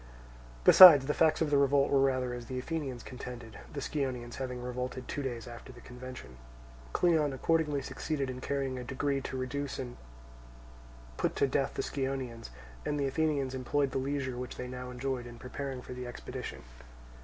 Besides the facts of the revolt were rather as the Athenians contended, the Scionaeans having revolted two days after the convention. Cleon accordingly succeeded in carrying a decree to reduce and put to death the Scionaeans; and the Athenians employed the leisure which they now enjoyed in preparing for the expedition.